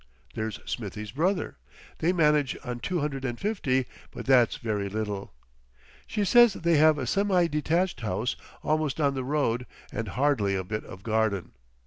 There's Smithie's brother. They manage on two hundred and fifty, but that's very little. She says they have a semi detached house almost on the road, and hardly a bit of garden.